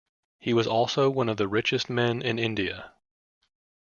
He was also one of the richest men in India.